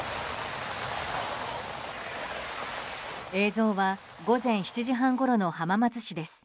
映像は午前７時半ごろの浜松市です。